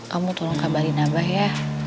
kamu tolong kabarin abah ya